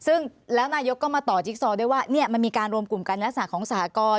ซึ่งแล้วนายกก็มาต่อจิ๊กซอด้วยว่ามันมีการรวมกลุ่มการรักษาของสหกร